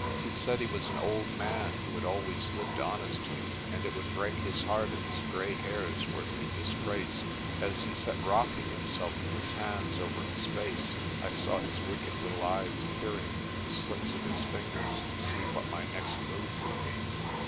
He said he was an old man who had always lived honestly, and it would break his heart if his grey hairs were to be disgraced. As he sat rocking himself with his hands over his face, I saw his wicked little eyes peering through the slits of his fingers to see what my next move would be.